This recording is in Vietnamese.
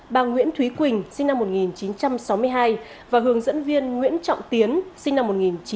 bà nguyễn thúy quỳnh sinh năm một nghìn chín trăm sáu mươi hai và hướng dẫn viên nguyễn trọng tiến sinh năm một nghìn chín trăm tám mươi